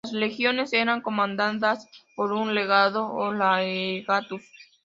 Las legiones eran comandadas por un "legado" o "legatus".